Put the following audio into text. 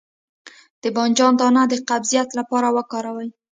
د بانجان دانه د قبضیت لپاره وکاروئ